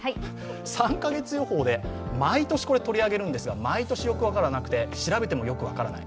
３カ月予報で毎年、これ、取り上げるんですが毎年よく分からなくて、調べてもよく分からない。